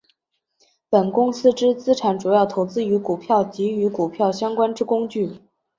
本公司之资产主要投资于股票及与股票相关之工具。